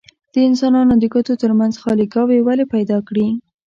د انسانانو د ګوتو ترمنځ خاليګاوې ولې پیدا کړي؟